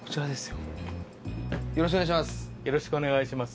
よろしくお願いします。